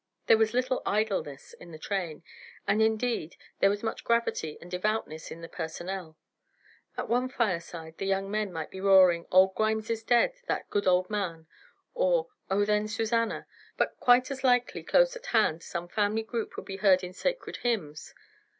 There was little idleness in the train, and indeed there was much gravity and devoutness in the personnel. At one fireside the young men might be roaring "Old Grimes is dead, that good old man," or "Oh, then, Susannah"; but quite as likely close at hand some family group would be heard in sacred hymns.